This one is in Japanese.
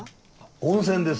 温泉です